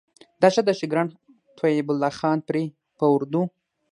دا ښه ده چې ګران طيب الله خان پرې په اردو